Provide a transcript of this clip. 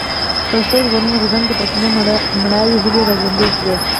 پښتون ژغورني غورځنګ د پښتنو مړاوي هيلې را ژوندۍ کړې.